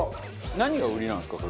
何が売りなんですか？